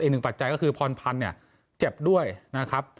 ปัจจัยก็คือพรพันธ์เนี่ยเจ็บด้วยนะครับ